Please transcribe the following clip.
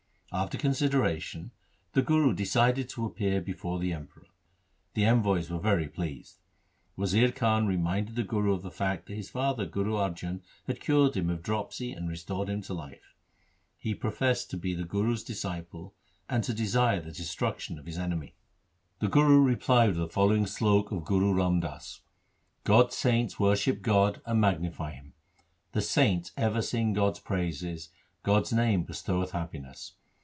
After consideration the Guru decided to appear before the Emperor. The envoys were very pleased. Wazir Khan reminded the Guru of the fact that his father Guru Arjan had cured him of dropsy and restored him to life. He professed to be the Guru's disciple, and to desire the destruction of his enemy. LIFE OF GURU HAR GOBIND The Guru replied with the following slok of Guru Ram Das :— God's saints worship God and magnify Him. The saints ever sing God's praises ; God's name bestoweth happiness.